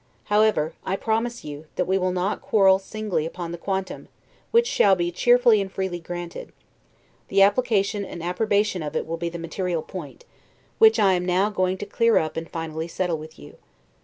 However, I promise you, that we will not quarrel singly upon the quantum, which shall be cheerfully and freely granted: the application and appropriation of it will be the material point, which I am now going to clear up and finally settle with you.